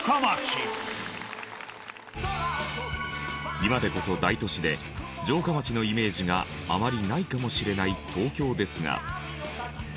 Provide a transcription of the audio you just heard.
今でこそ大都市で城下町のイメージがあまりないかもしれない東京ですが。